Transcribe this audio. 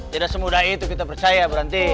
tidak semudah itu kita percaya berhenti